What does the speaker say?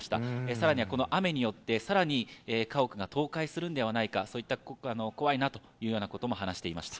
さらにはこの雨によって、さらに家屋が倒壊するんではないか、そういった怖いなというようなことも話していました。